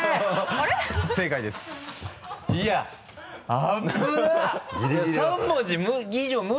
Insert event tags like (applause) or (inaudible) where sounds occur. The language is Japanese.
正解です (laughs)